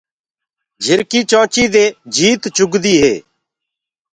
جھرڪي چونچي دي جيت گِٽدي هي۔